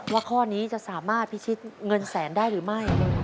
ข้อนี้จะสามารถพิชิตเงินแสนได้หรือไม่